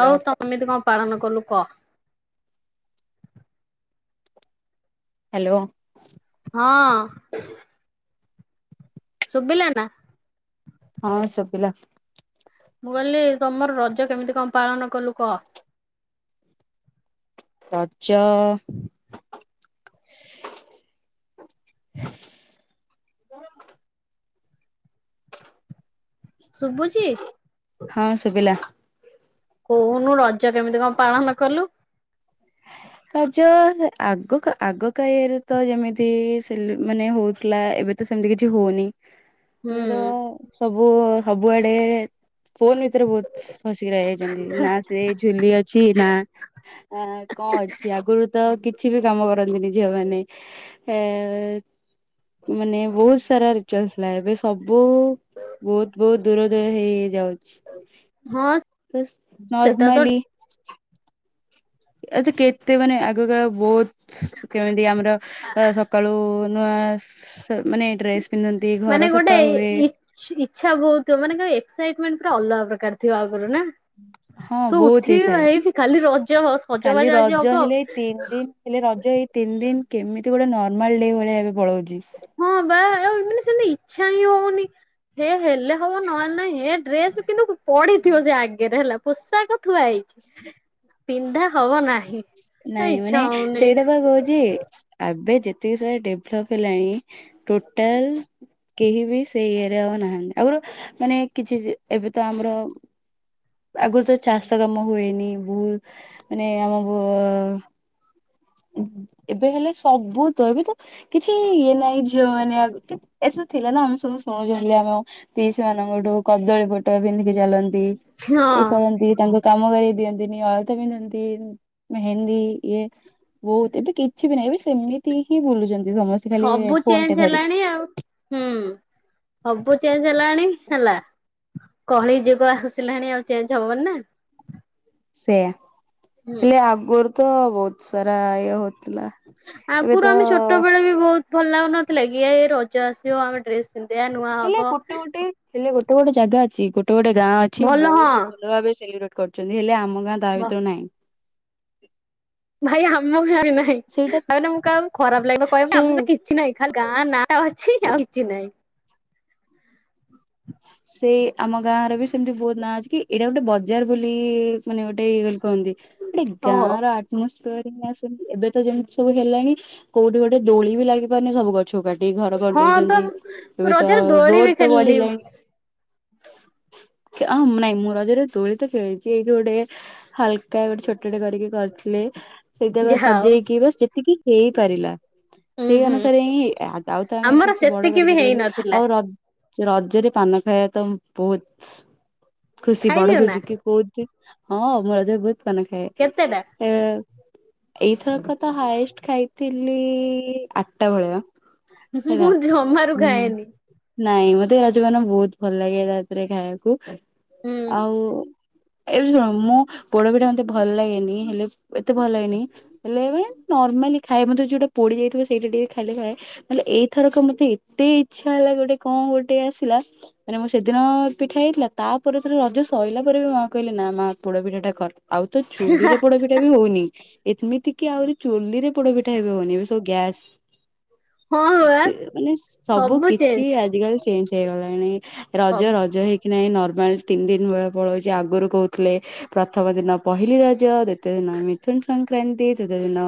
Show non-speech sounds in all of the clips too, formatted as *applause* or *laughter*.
Hello. ଆଉ ତମେତି କଣ ପାଳନ କଲୁ କହ? ହ୍ୟାଲୋ। ହଁ। ଶୁବିଲା ନା‌? ହଁ, ଶୁଭିଲା। ମୁଁ, କହିଲି ତମର ରଜ କେମିତି କଣ ପାଳନ କଲୁ କହ? ରଜ-ଅ ଶୁବୁଚି? ହଁ, ଶୁବିଲା। କୋହୁନୁ ରଜ କେମିତି କଣ ପାଳନ କଲୁ? ରଜ-ଅ ଆଗକା ଆଗକାଇଆରେ ତ ଯେମିତି ସେଲ ମାନେ, ହଉଥିଲା ଏବେ ତ ସେମିତି କିଛି ହଉନି। ହୁଁ ତୋର ସବୁ-ସବୁଆଡେ ଫୋନ୍ ଭିତରେ ବହୁତ୍ ଫସିକି ରହି ଯାଇଛନ୍ତି। ନା ସେ ଝୁଲି ଅଛି ନା ଆକ୍ କଣ ଅଛି, ଆଗରୁ ତ କିଛି ବି କାମ କରନ୍ତିନି ଝିଅ ମାନେ? ଏ-ଏକ୍ ମାନେ ବହୁତ ସାରା ରିଚୁଆଲ୍ ଥିଲା। ଏବେ ସବୁ ବହୁତ୍ ବହୁତ୍ ଦୂର ଦୂର ହେଇ ହେଇ ଯାଉଛି। ହଁ ବାସ୍ ସେଟା ତ ନର୍ମାଲି ଆଛା, କେତେ ମାନେ ଆଗକାଳ ବହୁତ୍ କେମିତି ଆମର ସ କାଳୁ ନୂଆ ସ୍ ମାନେ ଡ୍ରେସ୍ ପିନ୍ଧନ୍ତି ମାନେ ଘର ଗୋଟେ ସପା ହୁଏ। ଇଚ୍ଛା, ବହୁତ୍ ମାନେ ଏକ୍ସାଇଟ୍ ମେଣ୍ଟ ପୁରା ଅଲଗା ପ୍ରକାର ଥିବ ଆଗରୁ ନା? ହଁ ତୁ ବହୁତ ଉଠିବି ହେଇଥାଏ। ଭାଇ, କାଲି ରଜ କାଲି ସଜବାଜ ଆଜି ରଜ ହବ। ହେଲେ ଏଇ ତିନି ଦିନ ହେଲେ ରଜ ଏଇ ତିନି ଦିନ, କେମିତି ଗୋଟେ ନର୍ମାଲ ଡେ ଭଳିଆ ଏବେ ପଳଉଚି। ହଁ, ବା, ଆ ମାନେ ସେମତି ଇଚ୍ଛା ହିଁ ହଉନି। ହେ ହେଲେ ହବ ନହେଲେ ନାଇଁ ହେ ଡ୍ରେସ କିନ୍ତୁ ପଢିଥିବ ସେ ଆଗରେ ହେଲା। ପୋଷାକ ଥୁଆ ହୋଇଛି ପିନ୍ଧା ହବ ନାହିଁ। ଏ ନାଇଁ ମାନେ ଇଚ୍ଛା ହଉନି ସେଇଟା ବା କହୁଛି। ଆବେ ଯେତିକି ସାରା ଡେଭଲପ ହେଲାଣି ଟୋଟାଲ। କେହି ବି ସେଇ ଇଏରେ ଆଉ ନାହାନ୍ତି ଆଗରୁ ମାନେ କିଛି ଏବେ ତ ଆମର ଆଗରୁ ତ ଚାଷ କାମ ହୁଏନି ବହୁତ ମାନେ ଆମ ଏବେ ହେଲେ ସବୁତ ଏବେ ତ କିଛି ଇଏ ନାଇଁ ଝିଅ ମାନେ ଆ ଏସା ଥିଲା ନା ଆମେ ସବୁ ଶୁଣୁ ଆମ ପିଇସି ମାନଙ୍କଠୁ କଦଳୀ ପଟୁଆ ପିନ୍ଧିକି ଚାଲନ୍ତି। ହଁ ଇଏ କରନ୍ତି ତାଙ୍କୁ କାମ କରେଇ ଦିଅନ୍ତିନି ଅଳତା ପିନ୍ଧନ୍ତି ମେହେନ୍ଦୀ ଇଏ। ବହୁତ ଏବେ କିଛି ବି ନାହିଁ ଏବେ ସେମିତି ହିଁ ବୁଲୁଛନ୍ତି ସମସ୍ତେ। ଖାଲି ସବୁ ଫୋନ ଟେ ଚେଞ୍ଜ ଧରିକି। ହେଲାଣି ଆଉ। ହୁଁ ସବୁ ଚେଞ୍ଜ ହେଲାଣି ହେଲା। କଳି ଯୁଗ ଆସିଲାଣି ଆଉ ଚେଞ୍ଜ ହବନି ନା। ସେୟା ହୁଁ ହେଲେ ଆଗରୁ ତ ବହୁତ ସାରା ଇଏ ହଉଥିଲା। ଏବେ ତ ଆଗରୁ ଆମେ ଛୋଟ ବେଳେ ବି ବହୁତ ଭଲ ଲାଗୁନଥିଲା କି ଏଇ ରଜ ଆସିବ ଆମେ ଡ୍ରେସ ପିନ୍ଧିବା ନୂଆ। ହବ ହେଲେ ଗୋଟେ ଗୋଟେ ହେଲେ ଗୋଟେ ଗୋଟେ ଜାଗା ଅଛି ଗୋଟେ ଗୋଟେ ଗାଁ ଅଛି ଭଲ ହଁ ବହୁତ ହିଁ ଭଲ ଭାବେ ସେଲିବ୍ରେଟ। କରୁଛନ୍ତି ହେଲେ ଆମ ଗାଁ ତା ଭିତରୁ ନାହିଁ। ଭାଇ ଆମ ଗାଁରେ ନାହିଁ ସେଇଟା ତାମାନେ ମୁଁ କାହାକୁ ଖରାପ ଲାଗିବ କହିବି ସେ ଆମ କିଛି ନାଇଁ ଖାଲି ଗାଁ ନାଁ ଅଛି ଆଉ କିଛି ନାହିଁ। ସେଇ ଆମ ଗାଁରେ ବି ସେମିତି ବହୁତ ନାଁ ଅଛି କି ଏଇଟା ଗୋଟେ ବଜାର ବୋଲି ମାନେ ଗୋଟେ ଇଏ ବୋଲି କହନ୍ତି। ଗୋଟେ ଓହୋ ଗାଁ ର ମସ୍ତ ଆସ ଏବେ ତ ଯେମିତି ସବୁ ହେଲାଣି କୋଉଠି ଗୋଟେ ଦୋଳି ବି ଲାଗିପାରୁନି ସବୁ। ଗଛ କାଟିକି ଘର ହଁ ତ କରିଦଉଛନ୍ତି ଏବେ ତ ରଜରେ ଦୋଳି ବି ରୋଡ ତ ଖେଳିଲି ବଢିଲାଣି। ଅଁ ନାଇଁ ମୁଁ ରଜରେ ଦୋଳି ତ ଖେଳିଛି ଏଇଠି ଗୋଟେ। ହାଲକା ଗୋଟେ ଛୋଟଟେ କରିକି କରିଥିଲେ। ସେଇଟାବା ଯାହା ହଉ। ସଜେଇକି ବାସ ଯେତିକି ହେଇପାରିଲା। ହୁଁ ସେଇ ହୁଁ ଅନୁସାରେ ହିଁ ଆଉ ତ ଆମେ ଆମର ଏତେ କିଛି ବଡ ସେତିକି ବି କରିପାରିବନି ହେଇନଥିଲା। ଆଉ ର ରଜରେ ପାନ ଖାଇବା ତ ବହୁତ ଖୁସ୍ ଖୁସି ବଡ ଖାଇଛୁ ନା ଖୁସି କି କୋଉ ହଁ ମୁଁ ରଜରେ ବହୁତ ପାନ ଖାଏ? କେତେଟା ଏ ଏଇଥରକ ତ ହାଏଷ୍ଟ ଖାଇଥିଲି ଆଠଟା ଭଳିଆ। ମୁଁ ହେଲା ଜମାରୁ ହୁଁ ଖାଏନି। ନାଇଁ ମତେ ସେ ମାନେ ବହୁତ ଭଲ ଲାଗେ ରାତିରେ ଖାଇବାକୁ ହୁଁ ଆଉ। ଏବେ ଶୁଣ ମୁଁ ପୋଡ ପିଠା ମତେ ଭଲ ଲାଗେନି ହେଲେ ଏତେ ଭଲ ଲାଗେନି। ହେଲେ ମାନେ ନର୍ମାଲି ଖାଏ ମତେ ଯୋଉଟା ପୋଡି ଯାଇଥିବ ସେଇଟା ଟିକେ ଖାଇଦେଲେ। ହେଲେ ଏଇଥରକ ମତେ ଏତେ ଇଛା ହେଲା ଗୋଟେ କଣ ଗୋଟେ ଆସିଲା? ମାନେ ମୁଁ ସେଦିନ ପିଠା ହେଇଥିଲା ତାପରେ ସେ ରଜ ସରିଲା ପରେ ବି ମା କହିଲେ ନା ମା ପୋଡ ପିଠା ଟା କର। ଆଉ ତ ଚୁଲିରେ ପୋଡ ପିଠା ବି ହଉନି। ଏମିତି କି ଆହୁରି ଚୁଲିରେ ପୋଡପିଠା ଏବେ ହଉନି ଏବେ ସବୁ ଗ୍ୟାସ। ହଁ ପରା ସେ ମାନେ ସବୁ କିଛି ଆଜିିକାଲି ଚେଞ୍ଜ ହେଇଗଲାଣି ରଜ ରଜ ହେଇ କି ନାହିଁ ନର୍ମାଲ ତିନି ଦିନ ବେଳେ ପଳାଉଛି ଆଗରୁ କହୁଥିଲେ। ପ୍ରଥମ ଦିନ ପହିଲି ରଜ ଦ୍ଵିତୀୟ ଦିନ ମିଥୁନ ସଂକ୍ରାନ୍ତି ତୃତୀୟ ଦିନ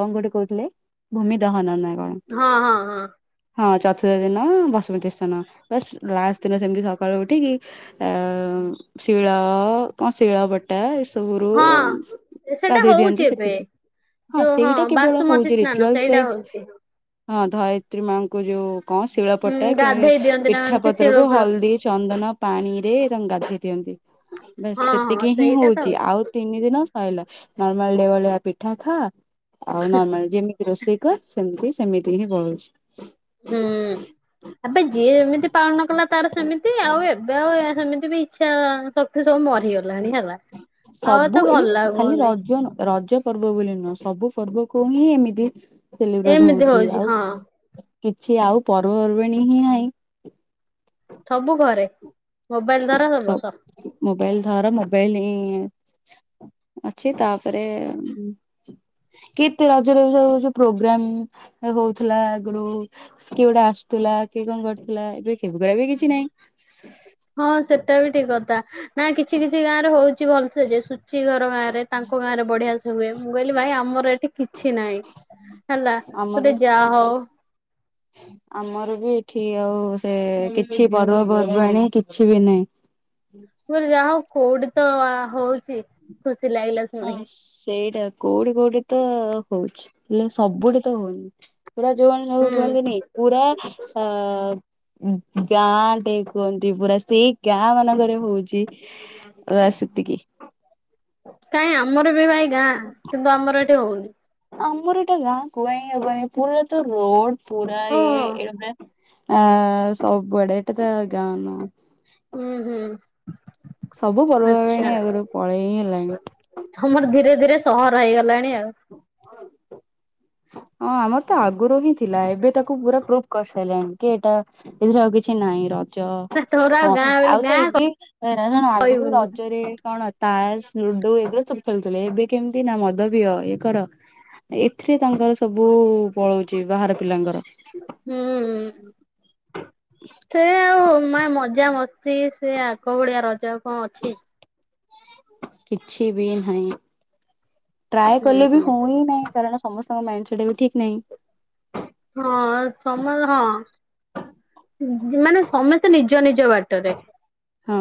କଣ ଗୋଟେ କହୁଥିଲେ ଭୂମି ଦହନ ନା କଣ? ହଁ ହଁ ହଁ। ହଁ ଚତୁର୍ଥ ଦିନ ବସୁମତୀ ସ୍ଥାନ ବାସ ଲାଷ୍ଟ ଦିନ ସେମିତି ସକାଳୁ ଉଠିକି ଆ ଶିଳ କଣ ଶିଳ ବଟା ଏସବୁ ଗୁରୁ ହଁ। ସେଟା ଗାଧେଇ ହଉଛି ଦିଅନ୍ତି ଏବେ ସେତିକି ହଁ ଯୋଉ ସେଇଟା କେବଳ ବାସୁମତୀ ହଉଛି ସ୍ନାନ ରିଚୁଆଲସ ସେଇଟା ୱଇଜ୍ ହଉଛି। ହଁ ଧୟିତ୍ରୀ ମାଙ୍କୁ ଯୋଉ କଣ ଶିଳ ହୁଁ ପଟା କି ଗାଧେଇ ଦିଅନ୍ତି ନା ପିଠା ଏମିତି ପତ୍ର ଶିଳ କୁ ଫିଳ ହଳଦୀ ଚନ୍ଦନ ପାଣିରେ ତାଙ୍କୁ ଗାଧୋଇ ଦିଅନ୍ତି। ବାସ ହଁ ହଁ ସେତିକି ହିଁ ସେଇଟା ତ ହଉଛି ଆଉ ତିନି ଦିନ ସଇଲା ନରମାଲ ଡେ ଭଳିଆ ପିଠା ଖା ଆଉ ନର୍ମାଲ ଯେମିତ ରୋସେଇ କର ସେମିତି ସେମିତି ହିଁ ପଳଉଛି। ହୁଁ ଆବେ ଯିଏ ଯେମିତି ପାଳନ କଲା ତାର ସେମିତି ଆଉ ଏବେ ଆଉ ସେମିତି ବି ଇଛା ଶକ୍ତି ସବୁ ମରିଗଲା ସବୁ ଏବେ ଖାଲି ଲାଗୁନି। ରଜ ରଜ ପର୍ବ ବୋଲି ନୁହଁ ସବୁ ପର୍ବ କୁ ହିଁ ଏମିତି ସେଲିବ୍ରେଟ ଏମିତି ହଉଛି ଆଉ ହଁ କିଛି ଆଉ ପର୍ବପର୍ବାଣୀ ହିଁ ନାହିଁ। ସବୁ ଘରେ ମୋବାଇଲ ଧର ସବୁ ବସ। ମୋବାଇଲ ଧର ମୋବାଇଲ ହିଁ ଅଛି ତାପରେ କେତେ ରଜରେ ଯୋଉ ପ୍ରୋଗ୍ରାମ ହଉଥିଲା ଆଗରୁ କିଏ ଗୋଟେ ଆସୁଥିଲା କିଏ କଣ କରୁଥିଲା ଏବେ *inaudible* ବି କିଛି ନାଇଁ ହଁ ସେଟା ବି ଠିକ କଥା ନା କିଛି କିଛି ଗାଁ ରେ ହଉଛି ଭଲସେ ଯେ ଚ ଘର ଗାଁରେ ତାଙ୍କ ଗାଁ ରେ ବଢିଆ ସେ ହୁଏ ମୁଁ କହିଲି ଭାଇ ଆମର ଏଠି କିଛି ନାହିଁ। ହେଲା ଆମର କହିଲି ଯା ହଉ ଆମର ବି ଏଠି ଆଉ ସେ କିଛି ପର୍ବପର୍ବାଣି କିଛି ବି ନାହିଁ ମୁଁ କହିଲି ଯାହା ହଉ କୋଉଠି ତ ହଉଛି ଖୁସି ଲାଗିଲା ହଁ ଶୁଣିକି ସେଇଟା କୋଉଠି କୋଉଠି ତ ହଉଛି ହେଲେ ସବୁଠେ ତ ହଉନି। ପୁରା ଯୋନ ଲୋକ ହୁଁ କୁହନ୍ତିନି ପୁରା ଅ ଗାଁ ଟେ କୁହନ୍ତି ପୁରା ସେଇ ଗାଁ ମାନଙ୍କରେ ହଉଛି। ବାସ ସେତିକି। କାଇ ଆମର ବି ଭାଇ ଗାଁ କିନ୍ତୁ ଆମର ଏଠି ହଉନି ଆମର ଏଟା ଗାଁ କୁହା ହିଁ ହବନି ପୁରା ତ ରୋଡ ପୁରା ଇଏ ଓହୋ ଏଇଟା ପୁରା ଆ ସବୁଆଡେ ଏଇଟା ତ ଗାଁ ନୁହ ହୁଁ ହୁଁ। ସବୁ ଆଚ୍ଛା ପର୍ବର୍ବାଣି ଆଗରୁ ପଳେଇ ହି ହେଲାଣି ତମର ଧୀରେ ଧୀରେ ସହର ହେଇଗଲାଣି ଆଉ ହଁ ଆମର ତ ଆଗରୁ ହିଁ ଥିଲା ଏବେ ତାକୁ ପୁରା ପ୍ରୁଭ କରିସାରିଲାଣି କି ଏଇଟା ଏଥିରେ ଆଉ କିଛି ନାହିଁ ର ନା ତୋର ଆଉ ହଁ ଗାଁ ବୋଲି ଆଉ ତ ଗାଁ ଏବେ ରାଜ ଜଣ ଆଗରୁ କହିବୁନି ରଜରେ କଣ ଅଛି ତାସ ଲୁଡୁ ଏଗୁଡ଼ା ସବୁ ଖେଳୁଥିଲେ ଏବେ କେମିତି ନା ମଦ ପିୟ ତାଙ୍କର ଏଥିରେ ତାଙ୍କର ସବୁ ପଳଉଛି ବାହାର ପିଲାଙ୍କର ହୁଁ। ସେ ଆଉ ମ ମଜା ମସ୍ତି ସେ ଆଗ ଭଳିଆ ରଜ କଣ ଅଛି? କିଛି ବି ନାହିଁ ଟ୍ରାଏ କଲେ ହୁଁ ବି ହୋଉ ହିଁ ନାହିଁ କାରଣ ସମସ୍ତେ ସମସ୍ତଙ୍କ ମାଇଣ୍ଡ ସେଟ୍ ଏବେ ଠିକ୍ ନାହିଁ। ହଁ ସମ ହଁ ମାନେ ସମସ୍ତେ ନିଜ ନିଜ ବାଟରେ ରେ ହଁ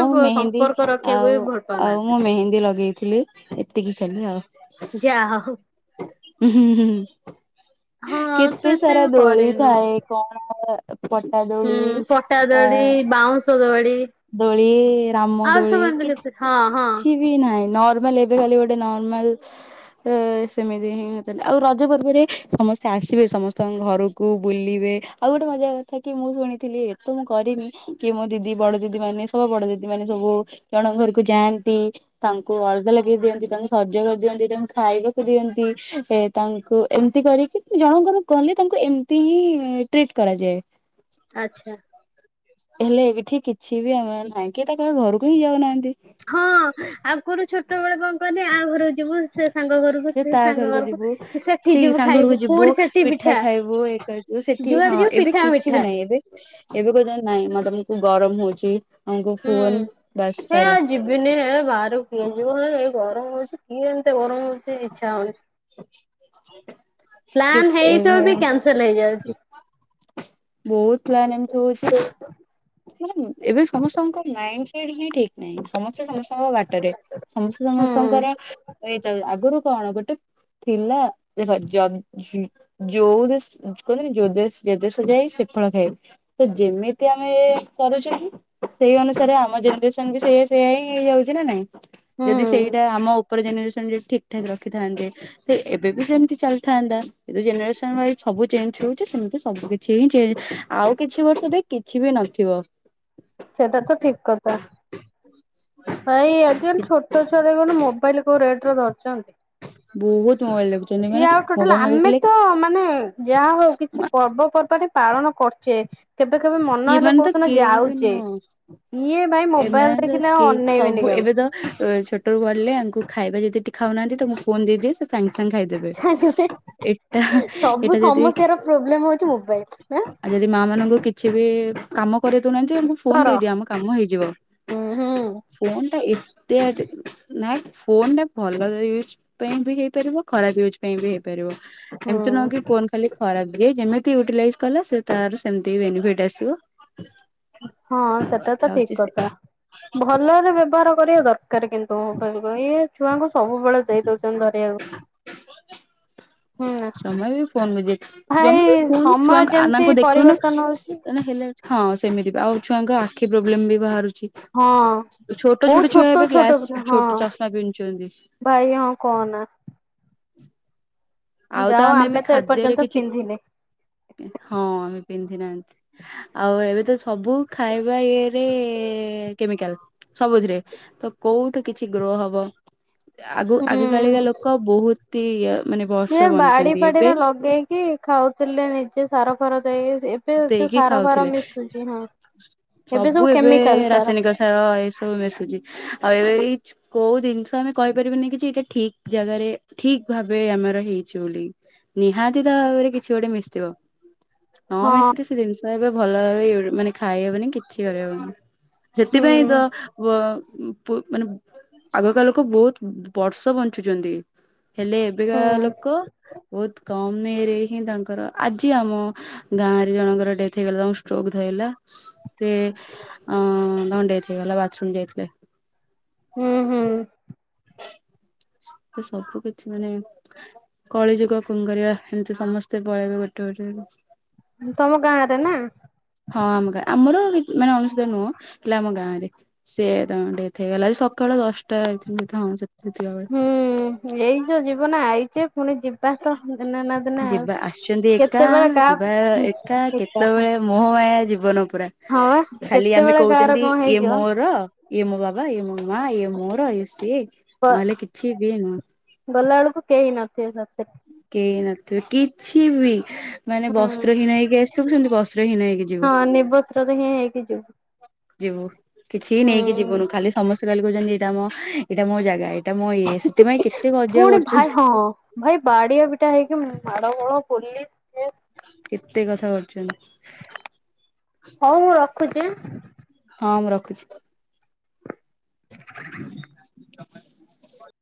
ଆଉ ମେହେନ୍ଦୀ ସମ୍ପର୍କ ରଖିବାକୁ ବି ଆଉ ଭଲ ଆଉ ମୁଁ ପାଉନାହାନ୍ତି ମେହେନ୍ଦୀ ଲଗେଇବି ଥିଲି ଏତିକି ଖାଲି ଆଉ ଯାହା ହେଉ ହ ହ ହଁ ଆଉ ତୁ କେତେ ଏତେ ସାରା ବି ଦୋଳି କରିନୁ ଥାଏ କଣ ହୁଁ ପଟାଦୋଳି ପଟା ଆ ଦୋଳି ବାଉଁଶ ଦୋଳି ଦୋଳି ରାମ ଆଉ ଦୋଳି ସବୁ ଏମିତି କେତେ ହଁ ହଁ କିଛି ବି ନାହିଁ ନର୍ମାଲ୍ ଏବେ ଖାଲି ଗୋଟେ ନର୍ମାଲ୍ ତ ସେମିତି ହିଁ ହେଉଥିଲା ଆଉ ରଜ ପର୍ବରେ ସମସ୍ତେ ଆସିବେ ସମସ୍ତଙ୍କ ଘରକୁ କୁ ବୁଲିବେ ଆଉ ଗୋଟେ ମଜା କଥା କି ମୁଁ ଶୁଣିଥିଲି ଏ ତ କରିନି କି ମୋ ଦିଦି ବଡ଼ ଦିଦି ମାନେ ସବୁ ବଡ଼ ଦିଦି ମାନେ ସବୁ ଜଣଙ୍କ ଘରକୁ ଯାଆନ୍ତି ତାଙ୍କୁ ଅଳଦା ଲଗେଇ ଦିଅନ୍ତି ତାଙ୍କୁ ସଜ କରିଦିଅନ୍ତି ତାଙ୍କୁ ଖାଇବାକୁ ଦିଅନ୍ତି ଏ ତାଙ୍କୁ ଏମିତି କରି ଜଣଙ୍କ ଘରକୁ ଗଲେ ତାଙ୍କୁ ଏମତି ହିଁ ଟ୍ରିଟ୍ କରାଯାଏ ଆଛା ହେଲେ ଏଠି କିଛି ବି ଆମର ନାହିଁ କିଏ ତାଙ୍କ ଘରକୁ ହିଁ ଯାଉନାହାନ୍ତି ହଁ ଆଗରୁ ଛୋଟ ବେଳେ କଣ କହନି ଆହା ଘରକୁ ଯିବୁ ସେ ସାଙ୍ଗ ଘରକୁ ସେ ତା ସାଙ୍ଗ ଘରକୁ ଯିବୁ ସେଠି ସେଇ ଯିବୁ ସାଙ୍ଗରକୁ ଖାଇବୁ ଯିବୁ ପୁଣି ସେଠି ପିଠା ଖାଇବୁ ସେଠି ହଁ ଯୁଆଡେ ଯିବୁ ଏବେ ପିଠା କିଛି ବି ମିଠା ନାହିଁ ଏବେ ଏବେ କ ନାଇଁ ମା ତମକୁ ଗରମ ହଉଛି ଆମକୁ ଫୋନ୍ ବାସ୍ ସାଇଲା ସେ ଭାଆରୁ କିଏଯିବ ଏଇ ଗରମ ହେଉଛି କିଏ ଏମିତି ଗରମରେ ଇଚ୍ଛା ହଉନି ପ୍ଲାନ୍ କେତେ ହେଇଥିବ ବି ଏଇଭଳିଆ କ୍ୟାନସେଲ ହେଇଯାଉଛି ବହୁତ ପ୍ଲାନ୍ ଏମିତି ହଉଛି ଏବେ ସମସ୍ତଙ୍କ ମାଇଣ୍ଡି ସେଟ୍ ହିଁ ଠିକ୍ ନାହିଁ ସମସ୍ତେ ସମସ୍ତଙ୍କ ବାଟରେ ସମସ୍ତେ ହୁଁ ସମସ୍ତଙ୍କର ଏ ଆଗରୁ କଣ ଗୋଟେ ଥିଲା ଯଦି ଯୋଉ ଦେ କହନ୍ତିନି ଯୋଉ ଦେ ଯେ ଦେଶ ଯାଇ ସେ ଫଳ ଖାଇ ତ ଯେମିତି ଆମେ କରୁଛନ୍ତି ସେଇ ଅନୁସାରେ ଆମ ଜେନେରେସନ୍ ବି ସେଇଆ ସେଇଆ ହିଁ ହେଇଯାଉଛି ନା ନାଇଁ ଯଦି ହୁଁ। ସେଇଟା ଆମ ଉପର ଜେନେରେସନ୍ ଯଦି ଠିକ୍ ଠାକ୍ ରଖିଥାଆନ୍ତେ ସେ ଏବେ ବି ସେମିତି ଚାଲିଥାନ୍ତା ଏ ଜେନେରେସନ୍ ୱାଇଜ ସବୁ ଚେଞ୍ଜ ହଉଛି ସେମିତି ସବୁ କିଛି ହିଁ ଚଞ୍ଜ ଆଉ କିଛି ବର୍ଷ ଦେଖେ କିଛି ବି ନଥିବ ସେଟା ତ ଠିକ୍ କଥା ଭାଇ ଆଜିକାଲି ଛୋଟ ଛୁଆ ଦେଖନ୍ତୁ ମୋବାଇଲି କୋଉ ରେଟ୍ ରେ ଧରିଛନ୍ତି ବହୁତ ମେବାଇଲି ଦେଖିଛନ୍ତି ସିଏ ଆଉ ଟୋଟାଲ୍ ଆମେ ତ ମାନେ ଯାହା ହଉ କିଛି ପର୍ବପର୍ବାଣି ପାଳନ କରୁଛେ କେବେ କେବେ ମନ ହେଲେ ଏମାନେ ତ କହୁ ଦିନ କେହି ବି ଯାଉଛେ ନୁହଁ ଇଏ ଭାଇ ମୋବାଇଲି ଦେଖିଲେ ଆଉ ଅନନେଇବେନି କାହାକୁ ଛୋଠାକୁ ଗଲେ ଆଙ୍କୁ ଖାଇବା ଯଦି ଟିକେ ଖାଉନାହାନ୍ତି ତ ମୁ ଫୋନ୍ ଦେଇଦିଏ ସେ ସାଙ୍ଗେସାଙ୍ଗେ ଖାଇଦେବେ ସାଙ୍ଗେ ଏଟା ସାଙ୍ଗେ ଏଇଟା ଯଦି ହଁ ଆଉ ଯଦି ମା ମାନଙ୍କୁ କିଛି ବି କାମ କରି ଦଉନାହାନ୍ତି ଆମକୁ ଫୋନ୍ ଧର ଦେଇଦିଏ ଆମ କାମ ହେଇଯିବ ହୁଁ ହୁଁ। ଫୋନ୍ ଟା ଏତେ ନାଇଁ ଫୋନ୍ ଟା ଭଲୟୂଜ୍ ପାଇଁ ବି ହେଇପାରିବ ଖରାପ୍ ୟୁଜୁ ପାଇଁ ବି ହେଇପାରିବ ଏମ୍ତି ନୁହଁକି ହୁଁ ଫୋନ୍ ଖାଲି ଖରାପ ଯିଏ ଯେମିତି ୟୁଟିଲାଇଜ୍ କଲା ସେ ତାର ସେମ୍ତି *unintelligible* *unintelligible* ଆସିବ। ହଁ ସେଟା ତ କଥା ଠିକ୍ ହଉଛି ସେ କଥା ଭଲରେ ବ୍ୟବହାର କରିବା ଦର୍ କାରେ କିନ୍ତୁ ଇ ଛୁଆଙ୍କୁ ସବୁବେଳେ ଦେଇ ଦଉଚନ୍ତି ଧରିବାକୁ। ହୁଁ ସେମାନେ ସେମିତି ଯେମିତି ଭାଇ ଛୁଆଙ୍କୁ ସମୟ ଛୁଆଙ୍କୁ ଯେମିତି ଆନାଙ୍କୁ ଦେଖୁନୁ ପରିବର୍ତ୍ତନ ହଉଛି କଣ ହେଲେଣି। ହଁ ସେମିତି ବି ଆଉ ଛୁଆଙ୍କ ଆଖି ପ୍ରୋବ୍ଲେମ୍ ବି ବାହାରୁଚି। ହଁ ଛୋଟ ଛୋଟ ବହୁତ ଛୁଆ ଏବେ ଛୋଟ ଗ୍ଲାସ ପିଲା ହଁ ଛୋଟ ଚଷମା ପିନ୍ଦୁଚନ୍ତି। ଭାଇ ହଁ କହନା। ଆଉ ତ ଯାଉ ଆମେ ବି ତ ଖାଦ୍ୟରେ ଏପର୍ଯ୍ୟନ୍ତ କିଛି ପିନ୍ଧିନେ। ପା ହଁ ଆମେ ପିନ୍ଧି ନାହା ଆଉ ଏବେ ତ ସବୁ ଖାଇବା ଇଏରେ କେମିକାଲ୍। ସବୁଥିରେ ତ କୋଉଠୁ କିଛି ଗ୍ରହ ହବ। ଆଗ ଆଗକାଳିକା ହୁଁ ଲୋକ ବହୁତ୍ ଇ ମାନେ ଭ ସିଏ ବାଡି ଫାଡିରେ ଲଗେଇକି ଖାଉଥିଲେ ନିଜେ ସାରଫାର ଦେଇ ଏ ଏବେ ଯୋଉ ଦେଇକି ସାରଫାର ଖାଉଥିଲେ। ମିଶୁଚି ହଁ ଏବେ ସବୁ କେମିକାଲ୍ ସାର। ହଁ ଏଇସବୁ ମିଶୁଚି ଆଉ ଏବେ ଏଇ ଛୁ କୋଉ ଜିନ୍ଷ ଆମେ କହିପାରିବୁନି କି ଯେ ଏଇଟା ଠିକ୍ ଜାଗାରେ ଠିକ୍ ଭାବେ ଆମର ହେଇଛି ବୋଲି। ନିହାତି ତ ଭାବରେ କିଛି ଗୋଟେ ମିଶିଥିବ। ନ ହଁ ମିଶିଲେ ସେ ଜିନ୍ଷ ଏବେ ଭଲ ଭାବେ *unintelligible* ମାନେ ଖାଇହବନି କିଛି କରିହବନି। ହୁଁ ସେଥିପାଇଁ ତ ବ ଉଁ ପୁ ମାନେ ଆଗକାଳ ଲୋକ ବହୁତ୍ ବର୍ଷ ବଞ୍ଚୁଚନ୍ତି। ହେଲେ ଏବେକା ହୁଁ ଲୋକ ବହୁତୁ କମ ଇଏରେ ହିଁ ତାଙ୍କର ଆଜି ଆମ ଗାଁରେ ଜଣଙ୍କର ଡେଥ୍ ହେଇଗଲା ତାଙ୍କୁ ଷ୍ଟ୍ରୋକ୍ ଧଇଲା। ସେ ଅଁ ତାଙ୍କ ଡେଥ୍ ହେଇଗଲା ବାଥରୁମ୍ ଯାଇଥିଲେ। ହୁଁ ହୁଁ। ଏ ସବୁ କିଛି ମାନେ କଳିଯୁଗ କଁ କରବା ଏମିତି ସମସ୍ତେ ପଳେଇବେ ଗୋଟେ ଗୋଟେ। ତମ ଗାଁରେ ନା। ହଁ ଆମ୍ ଗାଁ ଆମର *unintelligible* ମାନେ ଅଣସୁଧିଆ ନୁହଁ ହେଲେ ଆମ ଗାଁରେ। ସିଏ ତାଙ୍କ ଡେଥ୍ ହେଇଗଲା ସକାଳ ଦଶଟା *unintelligible* ହଁ ସେତିକିଆ ବେଳେ। ହୁଁ ଏଇ ଯୋ ଜୀବନ ଆଇଚେ ପୁଣି ଯିବା ତ ଦିନେ ନା ଦିନ୍। ଯିବା ଆସିଚନ୍ତି ଏକା ଯିବା ଏକା କେତେବେଳେ ମୋହମାୟା ଜୀବନ ପୁରା ହଁ ବା ଖାଲି ଆମେ କେତେବେଳେ କାହାର କହୁଚନ୍ତି କଣ ଇଏ ହେଇଯିବ ମୋର। ଇଏ ମୋ ବାବା ଇଏ ମୋ ମା ଇଏ ମୋର ଇଏ ସିଏ ନହେଲେ କିଛି ବି ନୁ। ଗଲାବେଳକୁ କେହି ନଥିବେ ସାଥିରେ। କେହି ନଥିବେ କିଛି ବି। ମାନେ ହୁଁ ବସ୍ତ୍ର ହୀନ ହେଇକି ଆସିଥିବୁ ସେମିତି ବସ୍ତ୍ର ହୀନ ହେଇକି ଯିବୁ। ହଁ ନିବସ୍ତ୍ର ତ ହିଁ ହେଇକି ଯିବୁ। ଯିବୁ କିଛି ନେଇକି ହୁଁ। ଯିବୁନୁ ଖାଲି ସମ *unintelligible* ଖାଲି କହୁଚନ୍ତି ଏଇଟା ମୋ ଏଇଟା ମୋ ଜାଗା ଏଇଟା ମୋ ଇଏ ସେଥିପାଇଁ କେତେ କଜିଆ ପୁଣି ଭାଇ କରୁଚନ୍ତି। ହଁ ଭାଇ ବାଡିଆ ପିଟା ହେଇକି ମାଡଗୋଳ ପୋଲିସ୍ ଇଏ *unintelligible* କେତେ କଥା କରୁଚନ୍ତି। ହଉ ମୁଁ ରଖୁଚି ଆଁ। ହଁ ମୁଁ ରଖୁଚି। *unintelligible* *unintelligible*